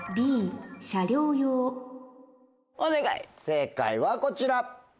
正解はこちら！